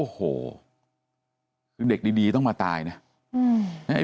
โอ้โหเด็กดีต้องมาตายนะ